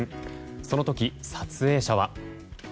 その時、撮影者は。